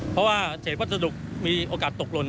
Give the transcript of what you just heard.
เพราะว่าเศษวัสดุมีโอกาสตกหล่น